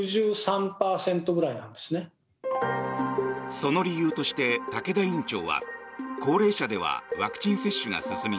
その理由として竹田院長は高齢者ではワクチン接種が進み